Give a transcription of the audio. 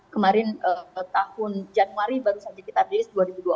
kemarin tahun januari baru saja kita rilis dua ribu dua puluh